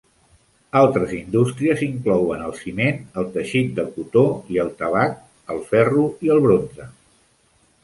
Altres indústries inclouen el ciment, el teixit de cotó i el tabac, el ferro i el bronze.